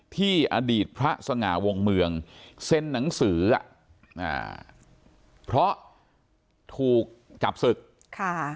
ที่อดีตพระสงวงเมืองเซ็นหนังสือเพราะถูกจับศึก